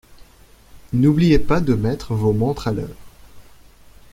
N'oubliez pas de mettre vos montres à l'heure.